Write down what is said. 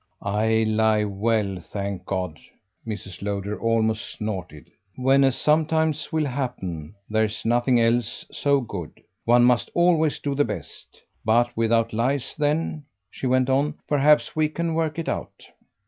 "I lie well, thank God," Mrs. Lowder almost snorted, "when, as sometimes will happen, there's nothing else so good. One must always do the best. But without lies then," she went on, "perhaps we can work it out."